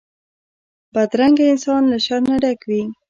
بدرنګه انسان له شر نه ډک وي